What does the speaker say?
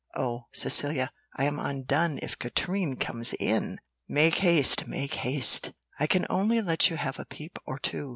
"Oh, Cecilia, I am undone if Katrine comes in! Make haste, make haste! I can only let you have a peep or two.